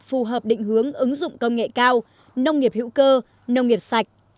phù hợp định hướng ứng dụng công nghệ cao nông nghiệp hữu cơ nông nghiệp sạch